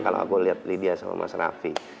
kalau aku liat lydia sama mas rafi